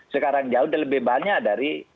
sekarang jauh lebih banyak dari